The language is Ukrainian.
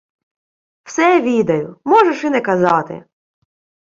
— Все відаю, можеш і не казати.